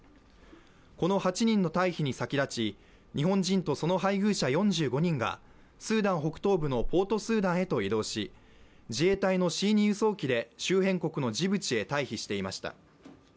この８人の退避に先立ち日本人とその配偶者４５人がスーダン北東部のポートスーダンへと移動し自衛隊のＣ２輸送機で周辺国のジブチへ退避していました。